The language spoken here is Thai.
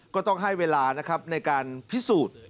ก็ต้องให้เวลานะครับในการพิสูจน์